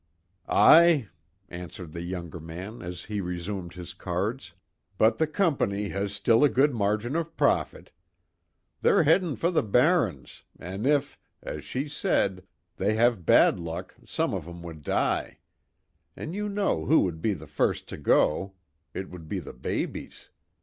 "Aye," answered the younger man as he resumed his cards. "But the Company has still a good margin of profit. They're headin' for the barrens, an' if, as she said, they have bad luck some of 'em would die. An' you know who would be the first to go it would be the babies.